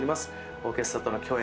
オーケストラとの共演